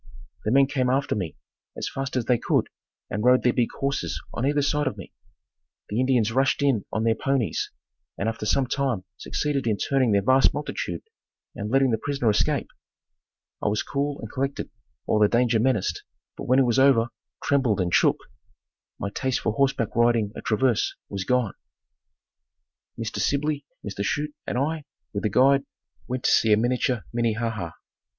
The men came after me as fast as they could and rode their big horses on either side of me. The Indians rushed in on their ponies and after some time succeeded in turning that vast multitude and letting the prisoner escape. I was cool and collected while the danger menaced, but when it was over, trembled and shook. My taste for horseback riding at Traverse was gone. Mr. Sibley, Mr. Chute and I, with a guide, went to see a miniature Minnehaha.